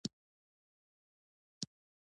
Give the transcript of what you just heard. د ورور مرګ د احمد ملا ور ماته کړه.